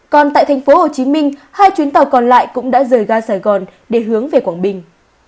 còn tại thành phố hồ chí minh hai chuyến tàu còn lại cũng đã rời ra sài gòn để hướng về quảng bình